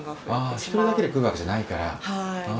１人だけで来るわけじゃないから。